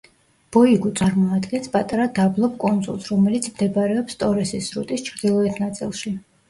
ბოიგუ წარმოადგენს პატარა დაბლობ კუნძულს, რომელიც მდებარეობს ტორესის სრუტის ჩრდილოეთ ნაწილში.